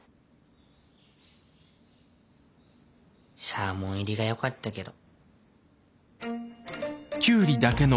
サーモン入りがよかったけど。